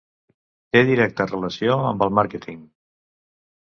Té directa relació amb el Màrqueting.